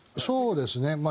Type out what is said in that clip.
そうですね。